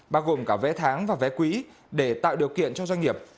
bao gồm cả vé tháng và vé quỹ để tạo điều kiện cho doanh nghiệp